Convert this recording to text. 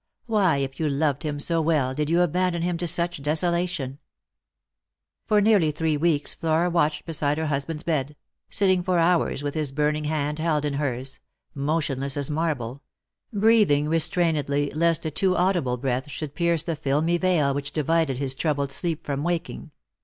Why, if you loved him so well, did you abandon him to such desolation ?" For nearly three weeks Flora watched beside her husband's bed; sitting for hours with his burning hand held in hers; motionless as marble ; breathing restrainedly, lest a too audible breath should pierce the filmy veil which divided his troubled sleep from waking.